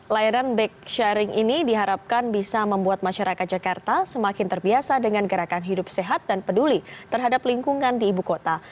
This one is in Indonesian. layanan bike sharing ini diharapkan bisa membuat masyarakat jakarta semakin terbiasa dengan gerakan hidup sehat dan peduli terhadap lingkungan di ibu kota